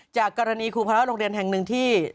จากกรณีครูภาระโรงเรียนแห่งหนึ่งที่